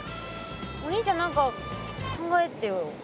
お兄ちゃん何か考えてよ。